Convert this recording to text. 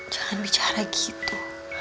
jangan bicara gitu